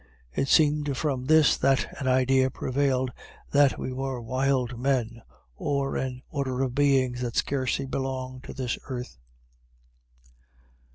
It seemed from this that an idea prevailed that we were wild men, or an order of beings that scarcely belonged to this earth.